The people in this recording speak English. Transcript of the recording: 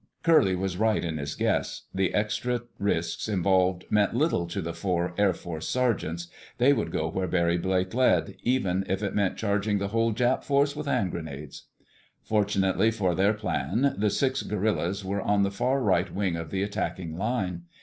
Curly was right in his guess. The extra risks involved meant little to the four Air Force sergeants. They would go where Barry Blake led, even if it meant charging the whole Jap force with hand grenades. Fortunately for their plan, the six "guerillas" were on the far right wing of the attacking line.